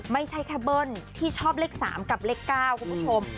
ไม่ใช่แค่เบิ้ลที่ชอบเลข๓กับเลข๙คุณผู้ชม